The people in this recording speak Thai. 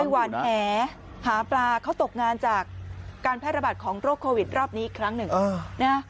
หวานแหหาปลาเขาตกงานจากการแพร่ระบาดของโรคโควิดรอบนี้อีกครั้งหนึ่งนะ